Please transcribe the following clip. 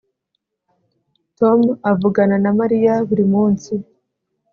Tom avugana na Mariya buri munsi